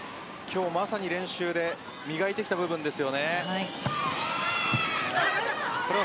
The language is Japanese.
まさに練習で磨いてきた部分ですよね。